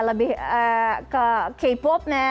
lebih ke k popnya